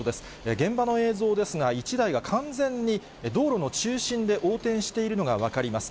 現場の映像ですが、１台が完全に道路の中心で横転しているのが分かります。